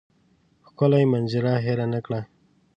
ښکلې منظره هېره نه کړم.